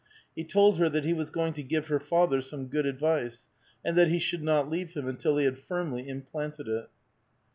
He told her that he was going to give her father some good advice, and that he should not leave him until he had firmly implanted it.